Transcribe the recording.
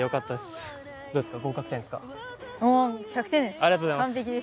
ありがとうございます。